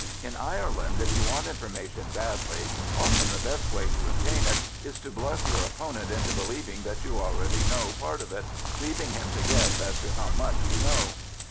In Ireland if you want information badly, often the best way to obtain it is to bluff your opponent into believing that you already know part of it, leaving him to guess as to how much you know.